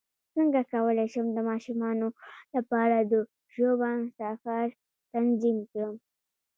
څنګه کولی شم د ماشومانو لپاره د ژوبڼ سفر تنظیم کړم